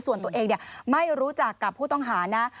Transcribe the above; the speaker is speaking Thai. ส่วนตัวเองไม่รู้จักกับผู้ต้องหานะ